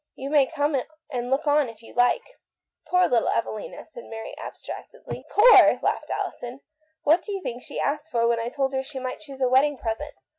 You may come and look on if you like." " Poor little Evelina," said Mary abstract edly. " Poor !" laughed Alison. " What do you think the girl asked for when I told her she might choose a wedding present